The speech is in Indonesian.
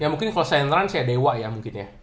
ya mungkin kalau saya rans ya dewa ya mungkin ya